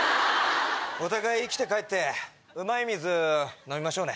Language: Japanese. お互い生きて帰ってうまい水飲みましょうね。